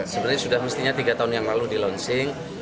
sebenarnya sudah mestinya tiga tahun yang lalu di launching